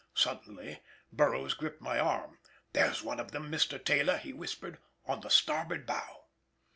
Suddenly Burroughs gripped my arm,— "There's one of them, Mr. Taylor," he whispered, "on the starboard bow."